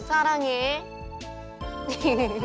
フフフフフ。